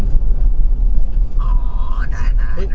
อ๋อได้ไหม